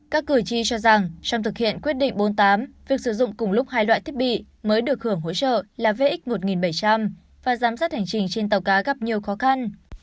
các cử tri cho rằng trong thực hiện quyết định bốn mươi tám việc sử dụng cùng lúc hai loại thiết bị mới được hưởng hỗ trợ là vx một nghìn bảy trăm linh và giám sát hành trình trên tàu cá gặp nhiều khó khăn